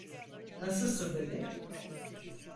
Nasılsın bebek?